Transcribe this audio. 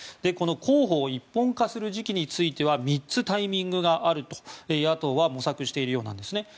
この候補を一本化する時期については３つタイミングがあると野党は模索しているようなんですね。